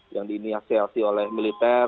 yang diniasiasi oleh militer